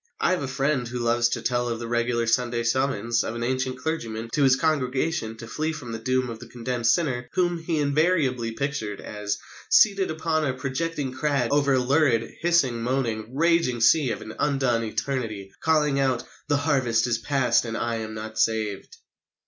I have a friend who loves to tell of the regular Sunday summons of an ancient clergyman to his congregation to flee from the doom of the condemned sinner whom he invariably pictured as "seated upon a projecting crag over a lurid, hissing, moaning, raging sea of an undone Eternity, calling out, 'The harvest is past and I am not savèd.'"